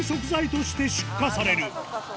として出荷される